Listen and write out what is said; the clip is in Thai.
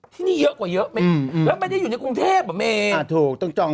ที่นี่เยอะกว่าเยอะแล้วไม่ได้อยู่ในกรุงเทพเหมือนเอง